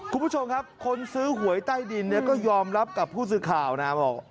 คุณผู้ชมครับคนซื้อหวยใต้ดินเนี่ยก็ยอมรับกับผู้สื่อข่าวนะบอก